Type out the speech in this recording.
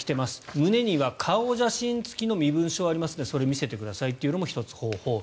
胸には顔写真付きの身分証があるのでそれを見せてくださいと言うのも１つ、方法。